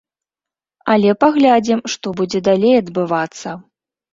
Але паглядзім, што будзе далей адбывацца.